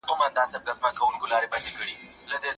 احساساتي څېړنه ژر په کره کتنه بدلېږي.